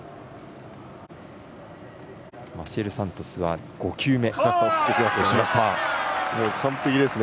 マシエル・サントスは５球目。